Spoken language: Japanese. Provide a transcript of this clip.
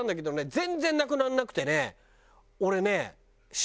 全然なくならなくてね